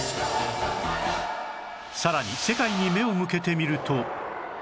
さらに世界に目を向けてみると